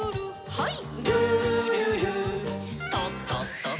はい。